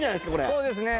そうですね。